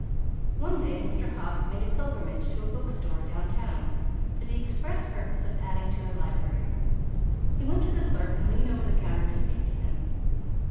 One day Mr. Hobbs made a pilgrimage to a book store down town, for the express purpose of adding to their library. He went to the clerk and leaned over the counter to speak to him.